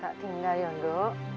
tak tinggal yondo